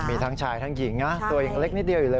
มีทั้งชายทั้งหญิงนะตัวยังเล็กนิดเดียวอยู่เลย